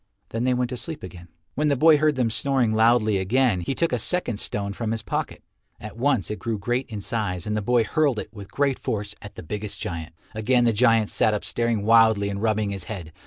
Then they went to sleep again. When the boy heard them snoring loudly again, he took a second stone from his pocket. At once it grew great in size and the boy hurled it with great force at the biggest giant. Again the giant sat up staring wildly and rubbing his head.